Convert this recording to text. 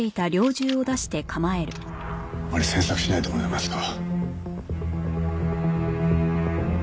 あまり詮索しないでもらえますか？